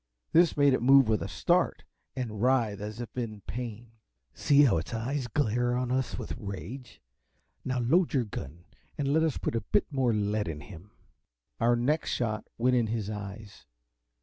This made it move with a start, and writhe as if in pain. "See how its eyes glare on us with rage. Now load your gun, and let us put a bit more lead in him." Our next shot went in his eyes.